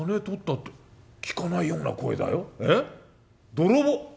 泥棒？